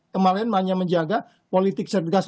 kemarin banyak menjaga politik sergas